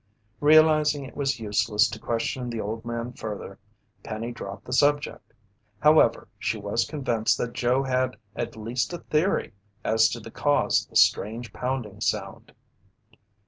Realizing it was useless to question the old man further, Penny dropped the subject. However, she was convinced that Joe had at least a theory as to the cause of the strange pounding sound.